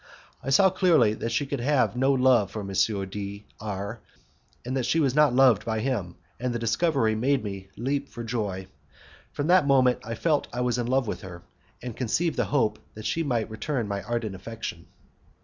I saw clearly that she could have no love for M. D R , and that she was not loved by him, and the discovery made me leap for joy. From that moment I felt I was in love with her, and I conceived the hope that she might return my ardent affection.